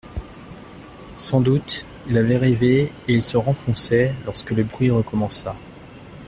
Sans doute, il avait rêvé, et il se renfonçait, lorsque le bruit recommença.